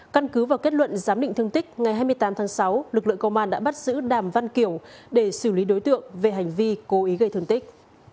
căn cứ vào kết luận giám định thương tích ngày hai mươi tám tháng sáu lực lượng công an đã bắt giữ đàm văn kiểu để xử lý đối tượng về hành vi cố ý gây thương tích